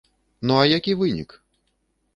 Ну а які вынік?